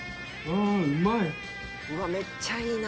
「うわめっちゃいいな！」